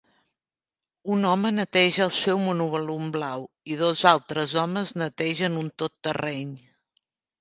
Un home neteja el seu monovolum blau i dos altres homes netegen un tot terreny.